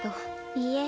いいえ